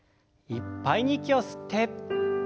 いっぱいに息を吸って。